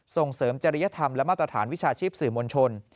ส่งเสริมจริยธรรมและมาตรฐานวิชาชีพสื่อมวลชน